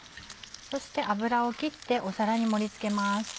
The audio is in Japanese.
そして油を切って皿に盛り付けます。